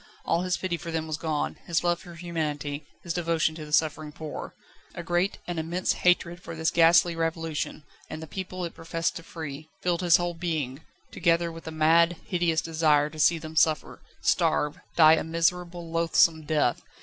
All his pity for them was gone, his love for humanity, his devotion to the suffering poor. A great, an immense hatred for this ghastly Revolution and the people it professed to free filled his whole being, together with a mad, hideous desire to see them suffer, starve, die a miserable, loathsome death.